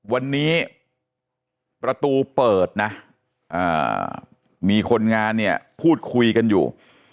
วันนี้ประตูเปิดนะมีคนงานเนี่ยพูดคุยกันอยู่